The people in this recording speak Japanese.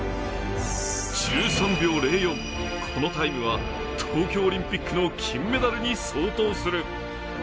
１３秒０４、このタイムは東京オリンピックの金メダルに相当する。